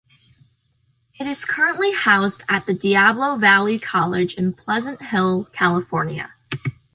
It is currently housed at Diablo Valley College in Pleasant Hill, California.